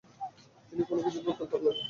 তিনি কোন কিছুর ভ্রুক্ষেপ করলেন না।